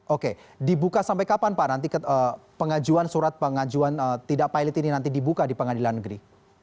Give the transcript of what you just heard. oke dibuka sampai kapan pak nanti pengajuan surat pengajuan tidak pilot ini nanti dibuka di pengadilan negeri